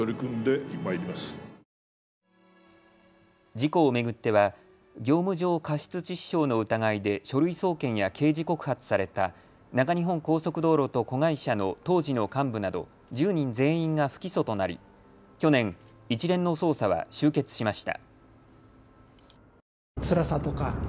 事故を巡っては業務上過失致死傷の疑いで書類送検や刑事告発された中日本高速道路と子会社の当時の幹部など１０人全員が不起訴となり去年、一連の捜査は終結しました。